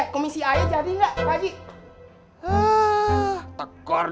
komisi aye jadi gak pak haji